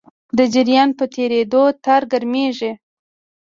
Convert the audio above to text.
د جریان په تېرېدو تار ګرمېږي.